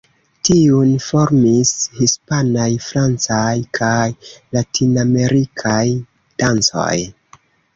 Tiun formis hispanaj, francaj kaj latinamerikaj dancoj.